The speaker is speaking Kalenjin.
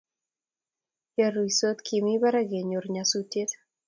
yoruisot Kimi barak kenyor nyasusiet